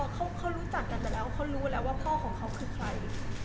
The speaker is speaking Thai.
เขารู้จักกันมาแล้วเขารู้แล้วว่าพ่อของเขาคือใคร